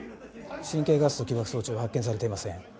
神経ガスと起爆装置は発見されていません